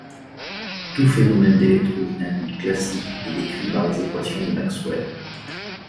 Tout phénomène d'électrodynamique classique est décrit par les équations de Maxwell.